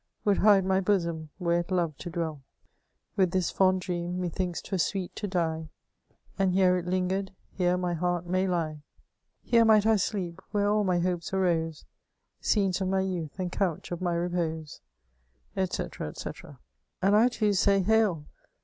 Would hide my bosom, where it loved to dwell ; With this fond dream methinks 'twere sweet to die — And here it lingered, here my heart may lie ; Here might I sleep, where all my hopes arose, Scenes of my youth and couch of my repose, &c., &c And I too say, hail